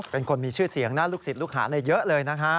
เป็นคนมีชื่อเสียงนะลูกศิษย์ลูกหาเยอะเลยนะฮะ